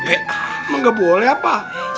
emang gak boleh apa